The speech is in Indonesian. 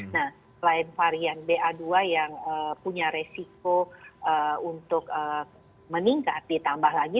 nah selain varian ba dua yang punya resiko untuk meningkat ditambah lagi